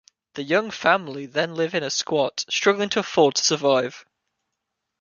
The young family then live in a squat, struggling to afford to survive.